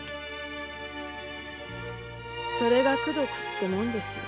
それが「功徳」ってもんですよ。